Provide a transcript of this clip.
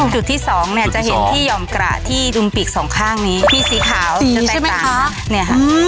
จุดที่๒เนี่ยจะเห็นที่ยอมกระที่อุ่นปีก๒ข้างนี้ที่สีขาวจะแตกต่างนี่ค่ะ